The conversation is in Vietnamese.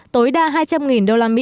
tối đa hai trăm linh usd